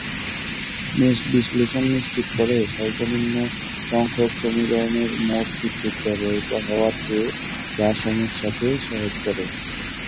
Mesh বিশ্লেষণ নিশ্চিত করে সর্বনিম্ন সংখ্যক সমীকরণের মোট বিদ্যুৎ ব্যবহৃত হওয়ার চেয়ে যা সমস্যাকে সহজ করে।